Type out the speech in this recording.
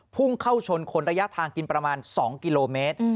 พุ่งเข้าชนคนระยะทางกินประมาณ๒กิโลเมตร